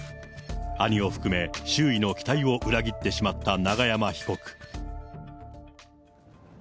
兄を含め、周囲の期待を裏切ってしまった永山被告。